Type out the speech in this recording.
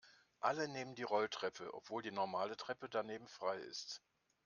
Alle nehmen die Rolltreppe, obwohl die normale Treppe daneben frei ist.